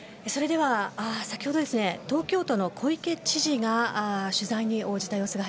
先ほど、東京都の小池都知事が取材に応じた様子が